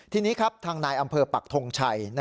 ทีนี้ครับทางนายอำเภอปักทงชัย